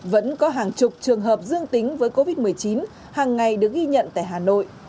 vẫn có hàng chục trường hợp dương tính với covid một mươi chín hàng ngày được ghi nhận tại hà nội